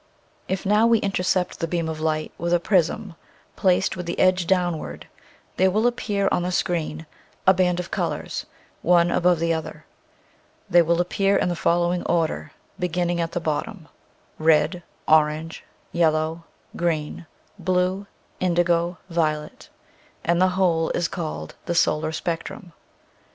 If now we intercept the beam of light with a prism placed with the edge downward there will appear on the screen a band of colors, one above the other. They will appear in the following order, beginning at the bottom: Red, orange, yellow, green, blue, indigo, violet, and the whole is called the solar spectrum.